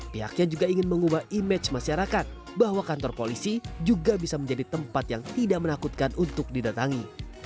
pihaknya juga ingin mengubah image masyarakat bahwa kantor polisi juga bisa menjadi tempat yang tidak menakutkan untuk didatangi